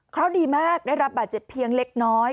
เพราะดีมากได้รับบาดเจ็บเพียงเล็กน้อย